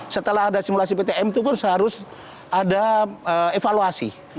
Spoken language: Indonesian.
setelah ada simulasi ptm itu pun seharusnya ada evaluasi